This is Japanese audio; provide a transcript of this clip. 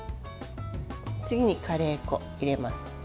次にカレー粉を入れます。